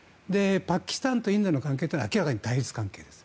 パキスタンとインドとの関係というのは明らかに対立関係です。